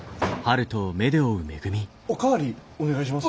お代わりお願いします。